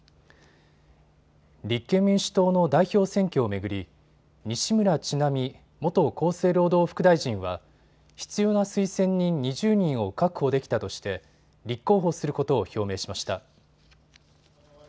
立憲民主党の代表選挙を巡り西村智奈美元厚生労働副大臣は必要な推薦人２０人を確保できたとして、立候補することを表明しました。